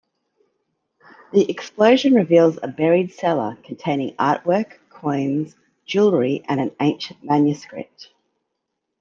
The explosion reveals a buried cellar containing artwork, coins, jewellery and an ancient manuscript.